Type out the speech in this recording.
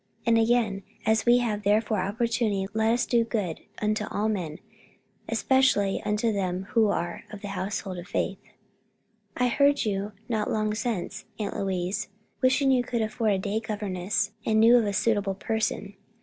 And again, 'As we have therefore opportunity, let us do good unto all men, especially unto them who are of the household of faith.' "I heard you, not long since, Aunt Louise, wishing you could afford a day governess and knew of a suitable person.